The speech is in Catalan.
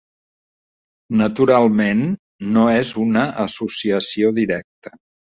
Naturalment, no és una associació directa.